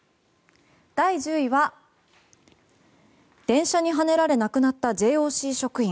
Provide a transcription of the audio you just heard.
第１０位は電車にはねられ亡くなったＪＯＣ職員。